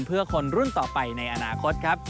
เพื่อคนรุ่นต่อไปในอนาคตครับ